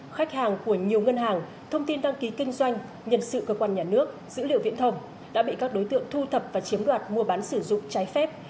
khách hàng của nhiều ngân hàng thông tin đăng ký kinh doanh nhân sự cơ quan nhà nước dữ liệu viễn thông đã bị các đối tượng thu thập và chiếm đoạt mua bán sử dụng trái phép